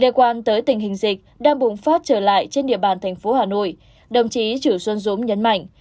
liên quan tới tình hình dịch đang bùng phát trở lại trên địa bàn thành phố hà nội đồng chí chử xuân dũng nhấn mạnh